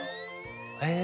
へえ。